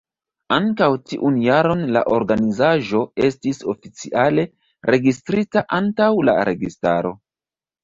Ankaŭ tiun jaron la organizaĵo estis oficiale registrita antaŭ la registaro.